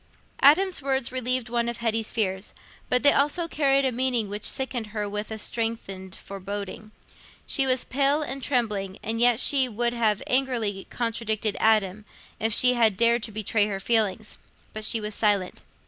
Adam's words relieved one of Hetty's fears, but they also carried a meaning which sickened her with a strengthened foreboding. She was pale and trembling, and yet she would have angrily contradicted Adam, if she had dared to betray her feelings. But she was silent.